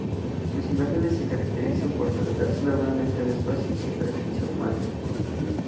Sus imágenes se caracterizan por tratarse normalmente de espacios sin presencia humana.